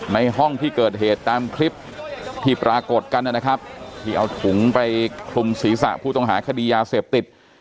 ห้องที่เกิดเหตุตามคลิปที่ปรากฏกันนะครับที่เอาถุงไปคลุมศีรษะผู้ต้องหาคดียาเสพติด